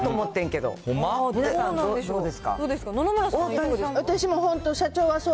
どうなんでしょう？